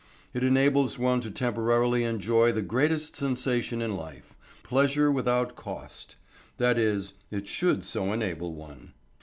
It enables one to temporarily enjoy the greatest sensation in life: pleasure without cost. That is, it should so enable one.